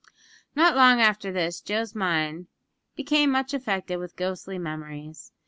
Not long after this, Joe's mind became much affected with ghostly memories.